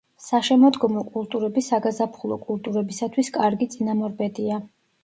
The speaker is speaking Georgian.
საშემოდგომო კულტურები საგაზაფხულო კულტურებისათვის კარგი წინამორბედია.